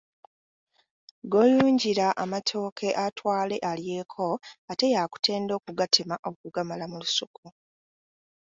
Gw’oyunjira amatooke atwale alyeko ate yakutenda okugatema okugamala mu lusuku.